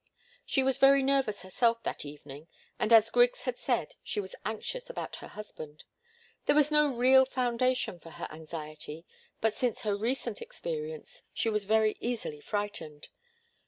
She was very nervous herself that evening, and as Griggs had said, she was anxious about her husband. There was no real foundation for her anxiety, but since her recent experience, she was very easily frightened.